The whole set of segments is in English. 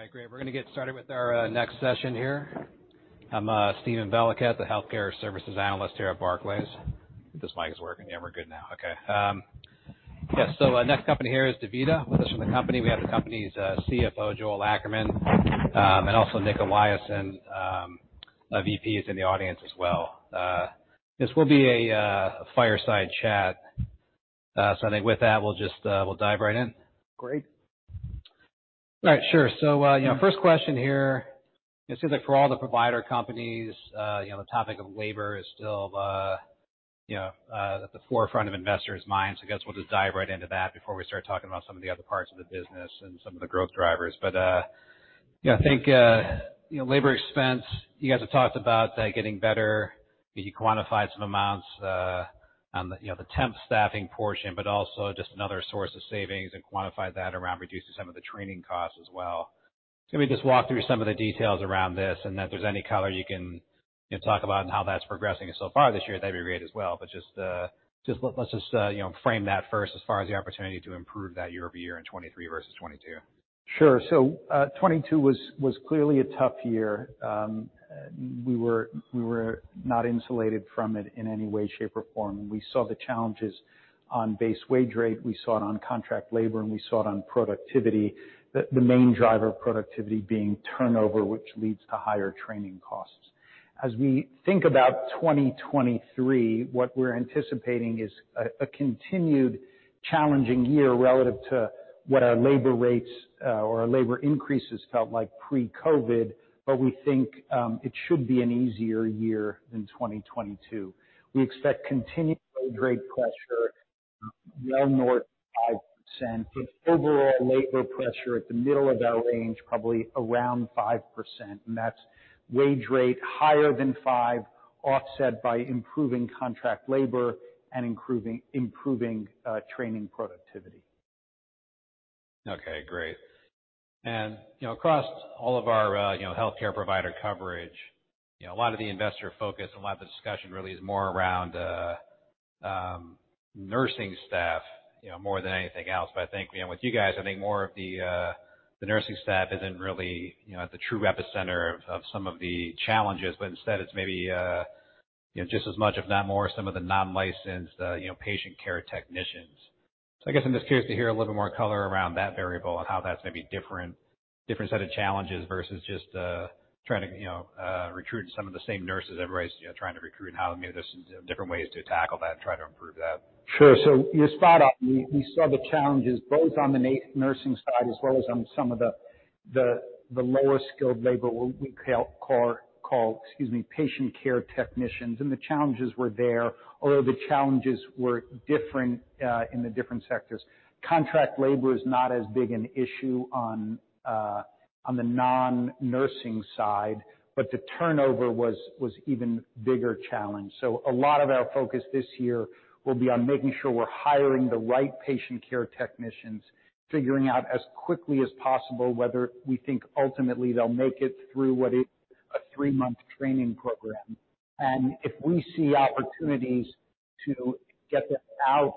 All right, great. We're gonna get started with our next session here. I'm Steven Valiquette, the healthcare services analyst here at Barclays. This mic is working. Yeah, we're good now. Okay. Yes. Our next company here is DaVita. With us from the company, we have the company's CFO, Joel Ackerman, and also Nic Eliason, a VP, is in the audience as well. This will be a fireside chat. I think with that, we'll just dive right in. Great. All right. Sure. First question here, it seems like for all the provider companies, you know, the topic of labor is still, you know, at the forefront of investors' minds. I guess we'll just dive right into that before we start talking about some of the other parts of the business and some of the growth drivers. Yeah, I think, you know, labor expense, you guys have talked about that getting better. You quantified some amounts on the, you know, the temp staffing portion, but also just another source of savings and quantified that around reducing some of the training costs as well. Maybe just walk through some of the details around this and if there's any color you can, you know, talk about and how that's progressing so far this year, that'd be great as well. Let's just, you know, frame that first as far as the opportunity to improve that year-over-year in 2023 versus 2022. Sure. '22 was clearly a tough year. We were not insulated from it in any way, shape, or form. We saw the challenges on base wage rate, we saw it on contract labor, and we saw it on productivity. The main driver of productivity being turnover, which leads to higher training costs. As we think about 2023, what we're anticipating is a continued challenging year relative to what our labor rates or our labor increases felt like pre-COVID. We think it should be an easier year than 2022. We expect continued wage rate pressure well north of 5%, with overall labor pressure at the middle of our range, probably around 5%. That's wage rate higher than 5, offset by improving contract labor and improving training productivity. Okay, great. You know, across all of our, you know, healthcare provider coverage, you know, a lot of the investor focus and a lot of the discussion really is more around nursing staff, you know, more than anything else. I think, you know, with you guys, I think more of the nursing staff isn't really, you know, at the true epicenter of some of the challenges, but instead it's maybe, you know, just as much, if not more, some of the non-licensed, you know, patient care technicians. I guess I'm just curious to hear a little more color around that variable and how that's maybe different set of challenges versus just trying to, you know, recruit some of the same nurses everybody's, you know, trying to recruit and how maybe there's different ways to tackle that and try to improve that. Sure. You spot on. We saw the challenges both on the nursing side as well as on some of the lower skilled labor we call, excuse me, patient care technicians. The challenges were there, although the challenges were different in the different sectors. Contract labor is not as big an issue on the non-nursing side, but the turnover was even bigger challenge. A lot of our focus this year will be on making sure we're hiring the right patient care technicians, figuring out as quickly as possible whether we think ultimately they'll make it through what is a three-month training program. If we see opportunities to get them out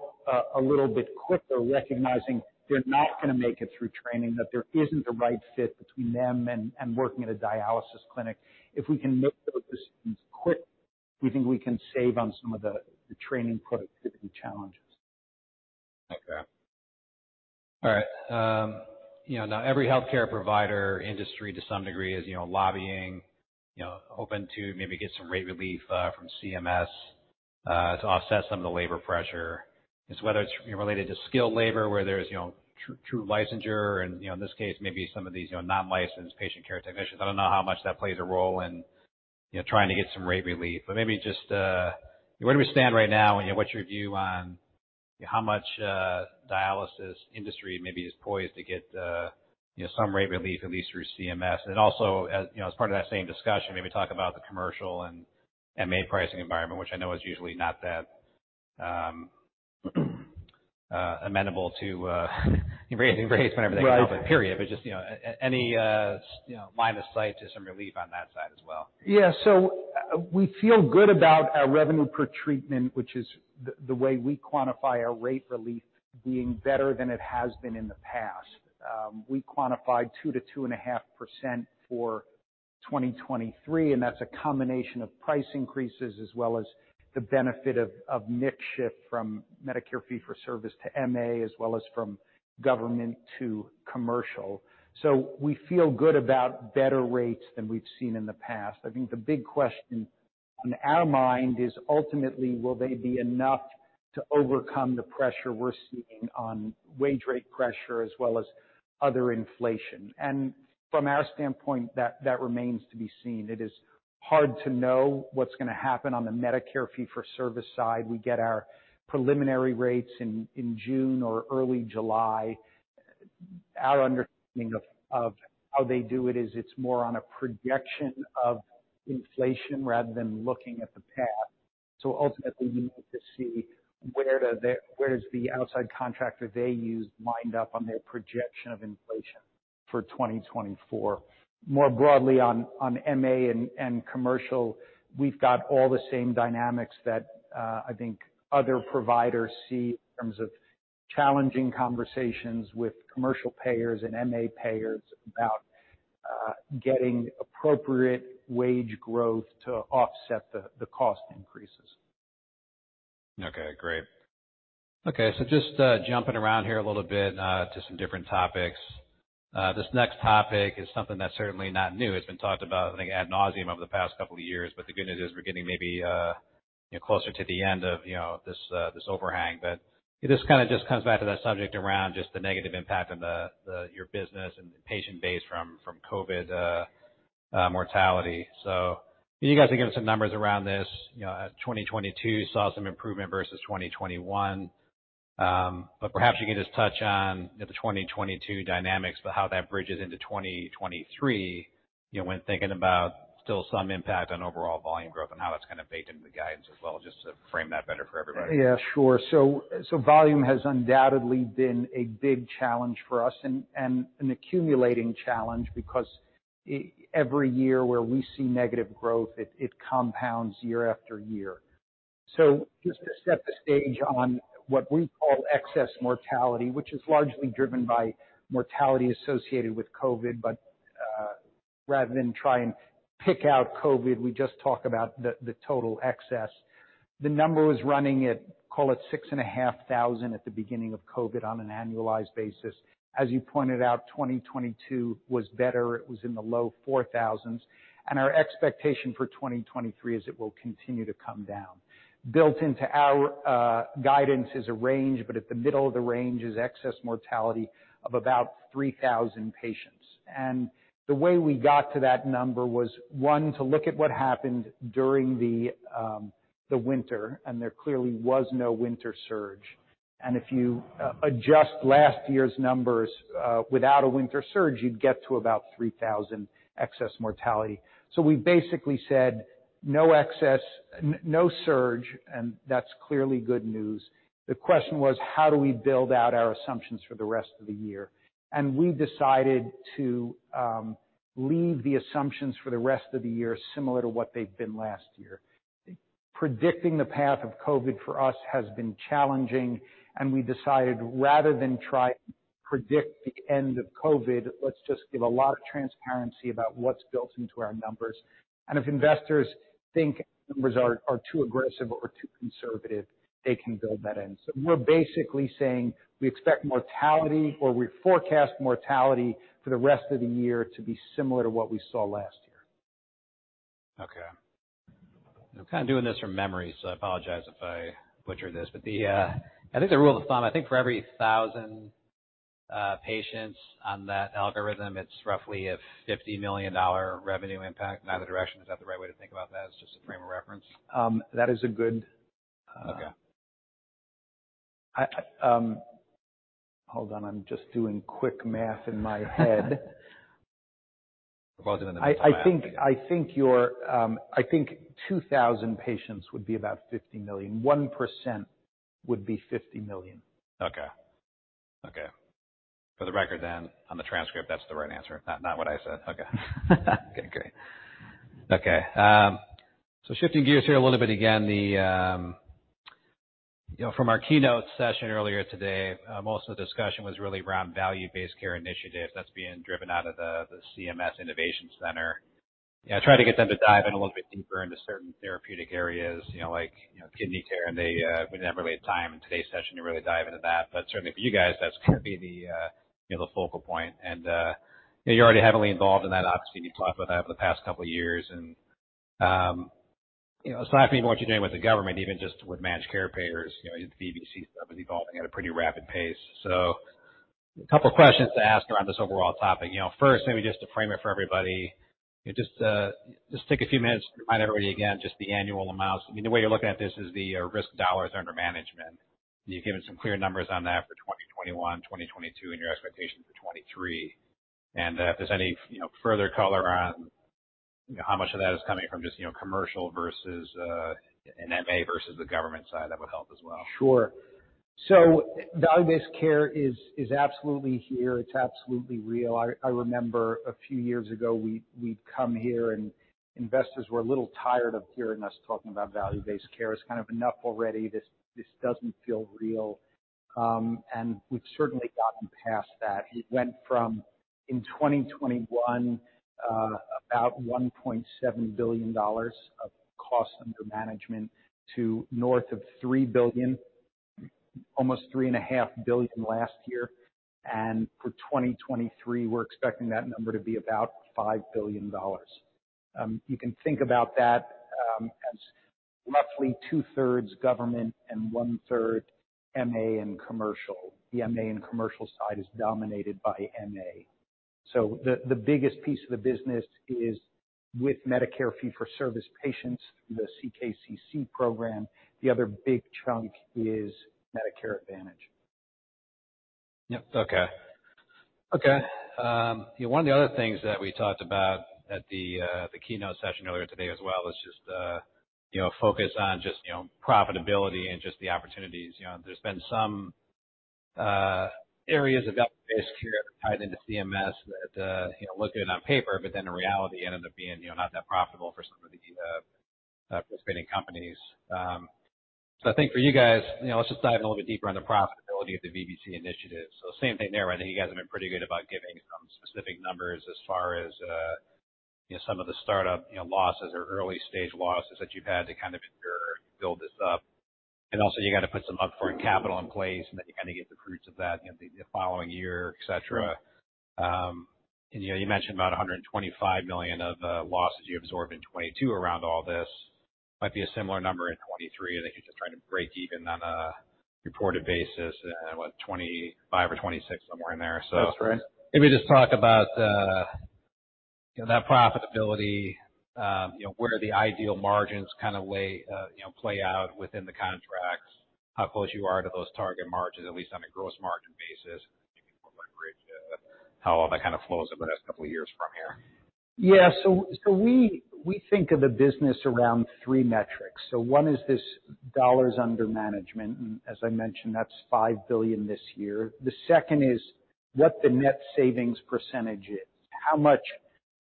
a little bit quicker, recognizing they're not gonna make it through training, that there isn't the right fit between them and working at a dialysis clinic. If we can make those decisions quick, we think we can save on some of the training productivity challenges. Okay. All right. you know, now every healthcare provider industry to some degree is, you know, lobbying, you know, hoping to maybe get some rate relief, from CMS, to offset some of the labor pressure. Just whether it's, you know, related to skilled labor where there's, you know, true licensure and, you know, in this case maybe some of these, you know, non-licensed patient care technicians. I don't know how much that plays a role in, you know, trying to get some rate relief. Maybe just, where do we stand right now and, you know, what's your view on how much dialysis industry maybe is poised to get, you know, some rate relief at least through CMS? Also as, you know, as part of that same discussion, maybe talk about the commercial and MA pricing environment, which I know is usually not that amenable to increase in rates whenever they can help it. Right. Just, you know, any, you know, line of sight to some relief on that side as well. Yeah. We feel good about our revenue per treatment, which is the way we quantify our rate relief being better than it has been in the past. We quantified 2% to 2.5% for 2023, That's a combination of price increases as well as the benefit of mix shift from Medicare fee-for-service to MA, as well as from government to commercial. We feel good about better rates than we've seen in the past. I think the big question on our mind is ultimately will they be enough to overcome the pressure we're seeing on wage rate pressure as well as other inflation. From our standpoint, that remains to be seen. It is hard to know what's gonna happen on the Medicare fee-for-service side. We get our preliminary rates in June or early July. Our understanding of how they do it is it's more on a projection of inflation rather than looking at the past. Ultimately, we need to see where the where does the outside contractor they use lined up on their projection of inflation for 2024. Broadly, on MA and commercial, we've got all the same dynamics that I think other providers see in terms of challenging conversations with commercial payers and MA payers about getting appropriate wage growth to offset the cost increases. Okay, great. Okay. Just jumping around here a little bit to some different topics. This next topic is something that's certainly not new. It's been talked about, I think, ad nauseam over the past couple of years, but the good news is we're getting maybe, you know, closer to the end of, you know, this overhang. But this kinda just comes back to that subject around just the negative impact on the your business and patient base from COVID mortality. You guys are giving some numbers around this. You know, 2022 saw some improvement versus 2021. Perhaps you could just touch on the 2022 dynamics, but how that bridges into 2023, you know, when thinking about still some impact on overall volume growth and how that's kinda baked into the guidance as well, just to frame that better for everybody. Sure. Volume has undoubtedly been a big challenge for us and an accumulating challenge because every year where we see negative growth, it compounds year after year. Just to set the stage on what we call excess mortality, which is largely driven by mortality associated with COVID, but rather than try and pick out COVID, we just talk about the total excess. The number was running at, call it 6,500 at the beginning of COVID on an annualized basis. As you pointed out, 2022 was better. It was in the low 4,000s, and our expectation for 2023 is it will continue to come down. Built into our guidance is a range, but at the middle of the range is excess mortality of about 3,000 patients. The way we got to that number was, one, to look at what happened during the winter, and there clearly was no winter surge. If you adjust last year's numbers, without a winter surge, you'd get to about 3,000 excess mortality. We basically said, "No excess, no surge," and that's clearly good news. The question was, how do we build out our assumptions for the rest of the year? We decided to leave the assumptions for the rest of the year similar to what they've been last year. Predicting the path of COVID for us has been challenging, and we decided rather than try predict the end of COVID, let's just give a lot of transparency about what's built into our numbers. If investors think numbers are too aggressive or too conservative, they can build that in. We're basically saying we expect mortality or we forecast mortality for the rest of the year to be similar to what we saw last year. Okay. I'm kinda doing this from memory, so I apologize if I butcher this. The, I think the rule of thumb, I think for every 1,000 patients on that algorithm, it's roughly a $50 million revenue impact in either direction. Is that the right way to think about that? It's just a frame of reference. That is a good. Okay. Hold on. I'm just doing quick math in my head. We're both doing the math here. I think you're, I think 2,000 patients would be about $50 million. 1% would be $50 million. Okay. Okay. For the record then, on the transcript, that's the right answer. Not what I said. Okay. Okay, great. Okay. Shifting gears here a little bit again. The, you know, from our keynote session earlier today, most of the discussion was really around value-based care initiatives that's being driven out of the CMS Innovation Center. You know, I tried to get them to dive in a little bit deeper into certain therapeutic areas, you know, like, you know, kidney care, and they, we never really had time in today's session to really dive into that. Certainly for you guys, that's gonna be the, you know, the focal point. You know, you're already heavily involved in that. Obviously, we've talked about that for the past couple of years. You know, aside from even what you're doing with the government, even just with managed care payers, you know, the VBC stuff is evolving at a pretty rapid pace. A couple questions to ask around this overall topic. You know, first, maybe just to frame it for everybody, just take a few minutes to remind everybody again, just the annual amounts. I mean, the way you're looking at this is the, risk Assets under management. You've given some clear numbers on that for 2021, 2022 and your expectation for 2023. If there's any further color on how much of that is coming from just, you know, commercial versus, MA versus the government side, that would help as well. Sure. Value-based care is absolutely here. It's absolutely real. I remember a few years ago, we'd come here and investors were a little tired of hearing us talking about value-based care. It's kind of enough already, this doesn't feel real. We've certainly gotten past that. It went from in 2021, about $1.7 billion of cost under management to north of $3 billion, almost $3.5 billion last year. For 2023, we're expecting that number to be about $5 billion. You can think about that as roughly two-thirds government and one-third MA and commercial. The MA and commercial side is dominated by MA. The biggest piece of the business is with Medicare fee-for-service patients through the CKCC program. The other big chunk is Medicare Advantage. Yep. Okay. Okay. You know, one of the other things that we talked about at the keynote session earlier today as well is just, you know, focus on just, you know, profitability and just the opportunities. You know, there's been some areas of value-based care tied into CMS that, you know, look good on paper, but then in reality ended up being, you know, not that profitable for some of the participating companies. I think for you guys, you know, let's just dive a little bit deeper on the profitability of the VBC initiative. Same thing there. I think you guys have been pretty good about giving some specific numbers as far as, you know, some of the startup, you know, losses or early-stage losses that you've had to kind of endure as you build this up. Also, you got to put some upfront capital in place, and then you kind of get the fruits of that, you know, the following year, et cetera. You know, you mentioned about $125 million of losses you absorbed in 2022 around all this. Might be a similar number in 2023. I think you're just trying to break even on a reported basis in, what, 2025 or 2026, somewhere in there. That's right. Maybe just talk about, you know, that profitability, you know, where the ideal margins kind of lay, you know, play out within the contracts, how close you are to those target margins, at least on a gross margin basis. You can leverage how all that kind of flows over the next couple of years from here. We think of the business around 3 metrics. One is this Assets under management. As I mentioned, that's $5 billion this year. The second is what the net savings percentage is. How much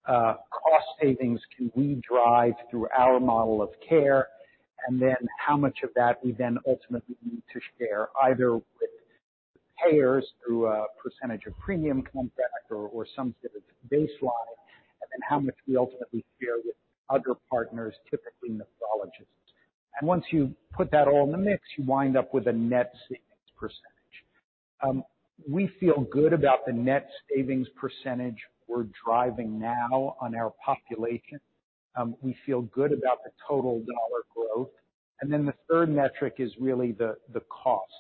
cost savings can we drive through our model of care? Then how much of that we then ultimately need to share, either with payers through a percentage of premium contract or some sort of baseline, then how much we ultimately share with other partners, typically nephrologists. Once you put that all in the mix, you wind up with a net savings percentage. We feel good about the net savings percentage we're driving now on our population. We feel good about the total dollar growth. Then the third metric is really the cost,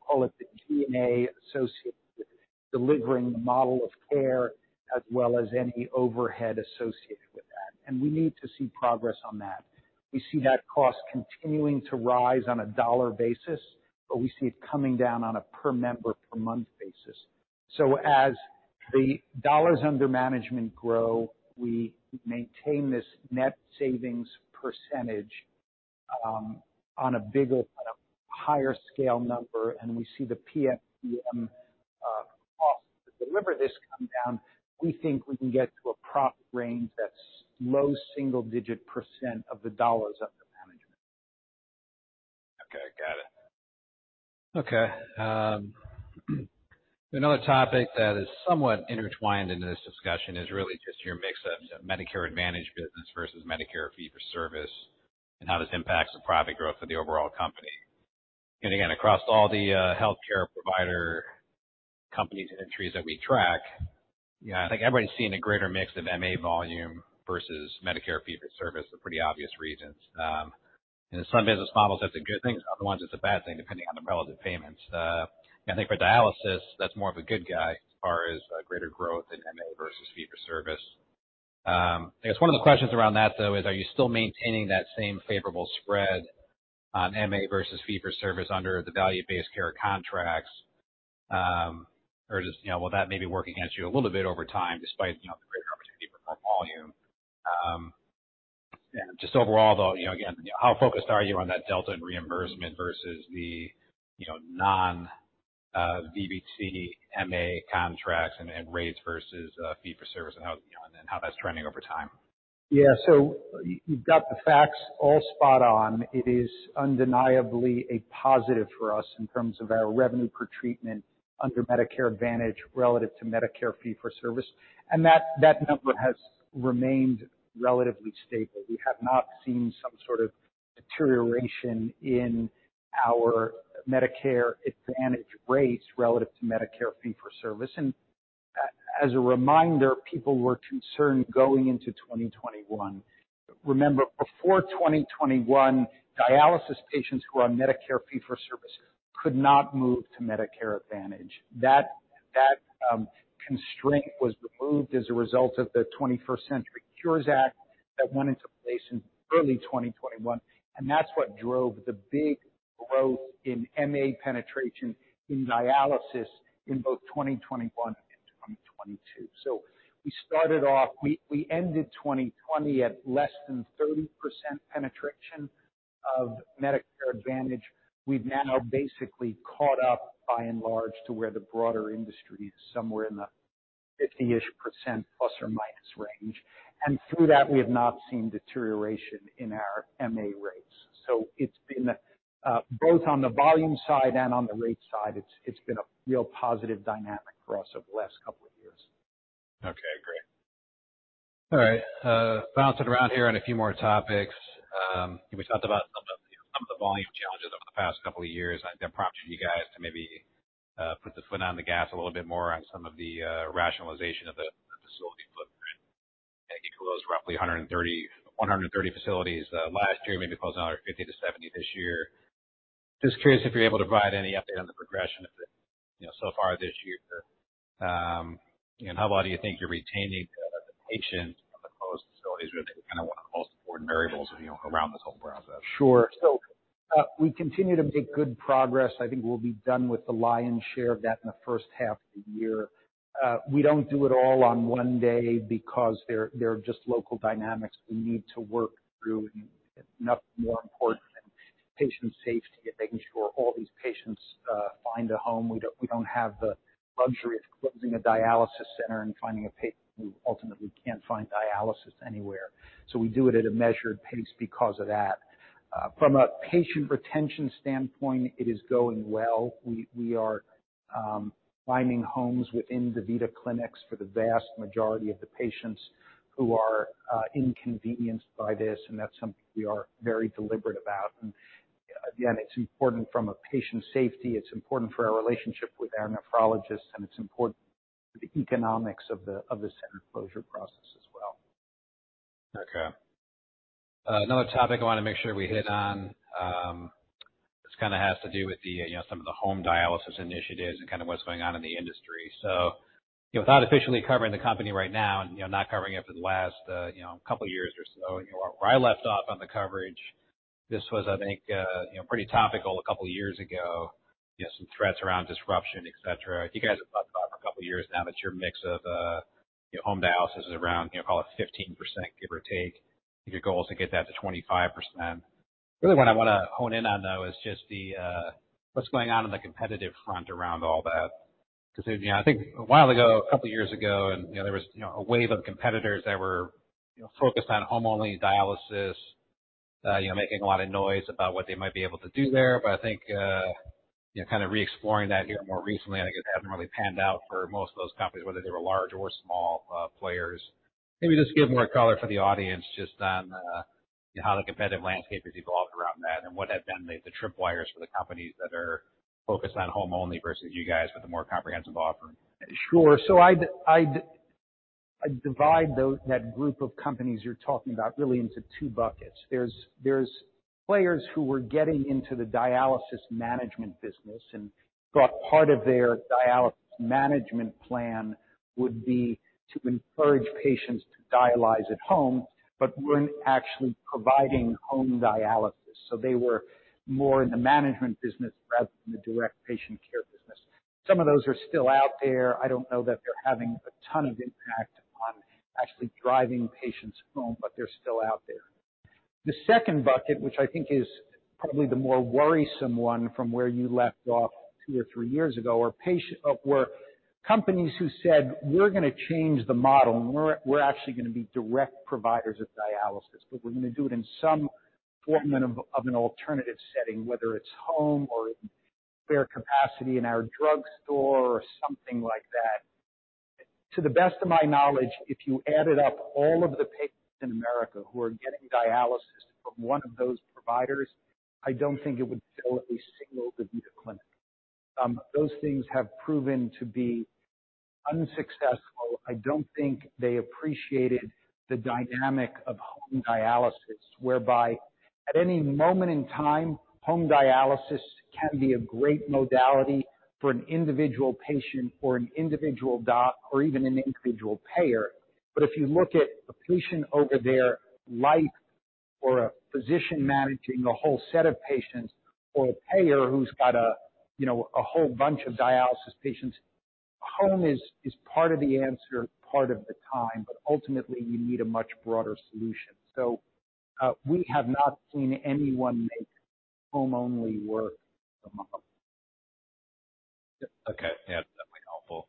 call it the G&A associated with delivering the model of care as well as any overhead associated with that. We need to see progress on that. We see that cost continuing to rise on a dollar basis, we see it coming down on a per member per month basis. As the Assets under management grow, we maintain this net savings percentage on a bigger, on a higher scale number, we see the PMPM cost to deliver this come down. We think we can get to a profit range that's low single digit % of the Assets under management. Okay. Got it. Okay, another topic that is somewhat intertwined into this discussion is really just your mix of Medicare Advantage business versus Medicare fee-for-service and how this impacts the profit growth for the overall company. Again, across all the healthcare provider companies and entries that we track, you know, I think everybody's seen a greater mix of MA volume versus Medicare fee-for-service for pretty obvious reasons. In some business models, that's a good thing. In other ones, it's a bad thing, depending on the relative payments. I think for dialysis, that's more of a good guy as far as greater growth in MA versus Fee-for-service. I guess one of the questions around that, though, is are you still maintaining that same favorable spread on MA versus Fee-for-service under the value-based care contracts? Or just, you know, will that maybe work against you a little bit over time despite, you know, the greater opportunity for more volume? Just overall though, you know, again, how focused are you on that delta in reimbursement versus the, you know, non, VBC MA contracts and rates versus, fee-for-service and how, you know, and then how that's trending over time. Yeah. you've got the facts all spot on. It is undeniably a positive for us in terms of our revenue per treatment under Medicare Advantage relative to Medicare fee-for-service. That number has remained relatively stable. We have not seen some sort of deterioration in our Medicare Advantage rates relative to Medicare fee-for-service. As a reminder, people were concerned going into 2021. Remember, before 2021, dialysis patients who are on Medicare fee-for-service could not move to Medicare Advantage. That constraint was removed as a result of the 21st Century Cures Act that went into place in early 2021, and that's what drove the big growth in MA penetration in dialysis in both 2021 and 2022. We ended 2020 at less than 30% penetration of Medicare Advantage. We've now basically caught up by and large to where the broader industry is, somewhere in the 50%-ish plus or minus range. Through that, we have not seen deterioration in our MA rates. It's been a both on the volume side and on the rate side, it's been a real positive dynamic for us over the last couple of years. Okay. Great. All right, bouncing around here on a few more topics. We talked about some of the, you know, some of the volume challenges over the past couple of years that prompted you guys to maybe put the foot on the gas a little bit more on some of the rationalization of the facility footprint. I think you closed roughly 130 facilities last year, maybe closing another 50-70 this year. Just curious if you're able to provide any update on the progression of the, you know, so far this year. How well do you think you're retaining the patients of the closed facilities, which is kinda one of the most important variables, you know, around this whole process. Sure. We continue to make good progress. I think we'll be done with the lion's share of that in the first half of the year. We don't do it all on 1 day because there are just local dynamics we need to work through, and nothing more important than patient safety and making sure all these patients find a home. We don't, we don't have the luxury of closing a dialysis center and finding a who ultimately can't find dialysis anywhere. We do it at a measured pace because of that. From a patient retention standpoint, it is going well. We, we are finding homes within DaVita clinics for the vast majority of the patients who are inconvenienced by this, and that's something we are very deliberate about. Again, it's important from a patient safety, it's important for our relationship with our nephrologists, and it's important for the economics of the, of the center closure process as well. Another topic I wanna make sure we hit on, this kinda has to do with the, you know, some of the home dialysis initiatives and kind of what's going on in the industry. Without officially covering the company right now and, you know, not covering it for the last, you know, couple of years or so, you know, where I left off on the coverage, this was I think, you know, pretty topical a couple of years ago. You had some threats around disruption, et cetera. You guys have talked about for a couple of years now that your mix of, your home dialysis is around, you know, call it 15%, give or take. Your goal is to get that to 25%. Really what I wanna hone in on, though, is just the what's going on in the competitive front around all that. You know, I think a while ago, a couple of years ago and, you know, there was, you know, a wave of competitors that were, you know, focused on home-only dialysis. You know, making a lot of noise about what they might be able to do there. I think, you know, kind of re-exploring that here more recently, I think it hasn't really panned out for most of those companies, whether they were large or small, players. Maybe just give more color for the audience just on, you know, how the competitive landscape has evolved around that and what have been the tripwires for the companies that are focused on home only versus you guys with a more comprehensive offering? Sure. I'd divide that group of companies you're talking about really into two buckets. There's players who were getting into the dialysis management business and thought part of their dialysis management plan would be to encourage patients to dialyze at home, but weren't actually providing home dialysis. They were more in the management business rather than the direct patient care business. Some of those are still out there. I don't know that they're having a ton of impact on actually driving patients home, but they're still out there. The second bucket, which I think is probably the more worrisome one from where you left off two or three years ago. Were companies who said, "We're gonna change the model, and we're actually gonna be direct providers of dialysis, but we're gonna do it in some format of an alternative setting, whether it's home or spare capacity in our drugstore or something like that." To the best of my knowledge, if you added up all of the patients in America who are getting dialysis from one of those providers, I don't think it would fill at least a single DaVita clinic. Those things have proven to be unsuccessful. I don't think they appreciated the dynamic of home dialysis, whereby at any moment in time, home dialysis can be a great modality for an individual patient or an individual doc or even an individual payer. If you look at a patient over their life or a physician managing a whole set of patients or a payer who's got a, you know, a whole bunch of dialysis patients, home is part of the answer part of the time. Ultimately, you need a much broader solution. We have not seen anyone make home-only work so far. Okay. Yeah, definitely helpful.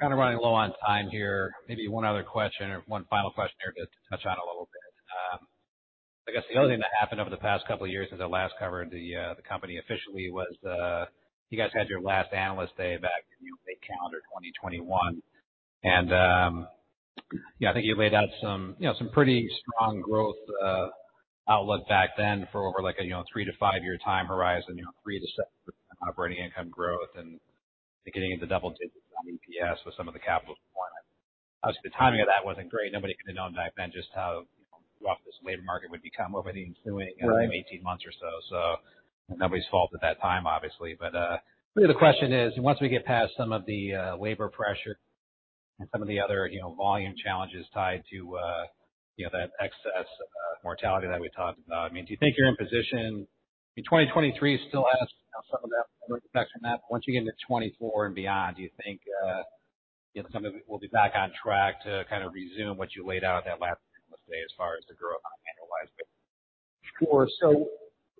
Kinda running low on time here. Maybe one other question or one final question here to touch on a little bit. I guess the other thing that happened over the past couple of years since I last covered the company officially was, you guys had your last analyst day back in, you know, late calendar 2021. You know, I think you laid out some, you know, some pretty strong growth outlook back then for over like a, you know, three to five-year time horizon. You know, 3%-7% operating income growth and getting into double digits on EPS with some of the capital deployment. The timing of that wasn't great. Nobody could have known back then just how rough this labor market would become over the ensuing- Right. you know, 18 months or so. Nobody's fault at that time, obviously. Really the question is, once we get past some of the labor pressure and some of the other, you know, volume challenges tied to, you know, that excess mortality that we talked about. I mean, do you think you're in a position? I mean, 2023 still has, you know, some of that effects from that. Once you get into 2024 and beyond, do you think, you know, some of it will be back on track to kind of resume what you laid out at that last analyst day as far as the growth annualize-. Sure.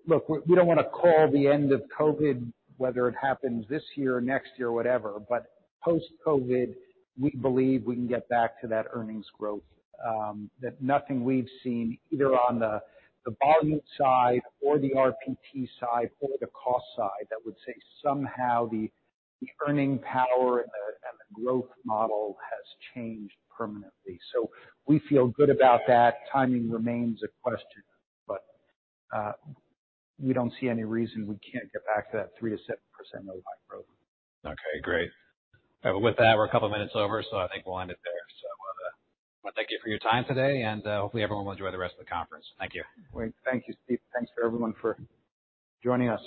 Look, we don't wanna call the end of COVID whether it happens this year or next year or whatever, but post-COVID, we believe we can get back to that earnings growth. That nothing we've seen, either on the volume side or the RPT side or the cost side, that would say somehow the earning power and the, and the growth model has changed permanently. We feel good about that. Timing remains a question, but, we don't see any reason we can't get back to that 3%-7% low growth. Okay, great. With that, we're a couple of minutes over, I think we'll end it there. Wanna thank you for your time today, and hopefully everyone will enjoy the rest of the conference. Thank you. Great. Thank you, Steve. Thanks for everyone for joining us.